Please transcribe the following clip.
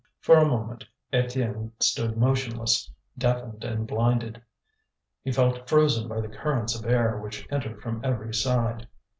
For a moment Étienne stood motionless, deafened and blinded. He felt frozen by the currents of air which entered from every side.